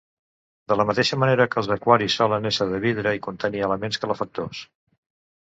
De la mateixa manera que els aquaris, solen ésser de vidre i contenir elements calefactors.